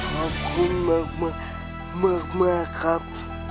ขอบคุณมากครับ